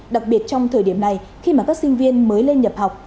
đặc biệt trong thời điểm này khi mà các sinh viên mới lên nhập học